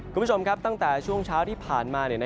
คุณผู้ชมครับตั้งแต่ช่วงเช้าที่ผ่านมา